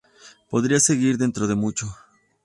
Podría seguir dentro de mucho.